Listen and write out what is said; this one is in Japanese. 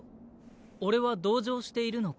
俺は同情しているのか？